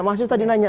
masih tadi nanya